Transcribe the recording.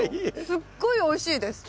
すっごいおいしいです。